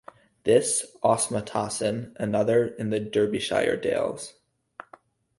This Osmaston and another in the Derbyshire Dales.